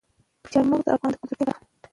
چار مغز د افغانانو د ګټورتیا برخه ده.